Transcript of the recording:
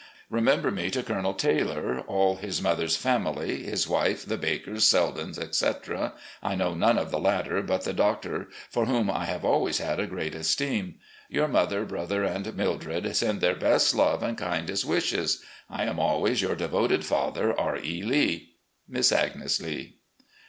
... Remember me to Colonel Taylor, all his mother's family, his wife, the Bakers, Seldens, etc. I know none of the latter but the Doctor, for whom I have always had a great esteem. Your mother, brother, and Mildred send their best love and kindest wishes. I am always, "Your devoted father, R. E. Lee. "Miss Agnes Lee.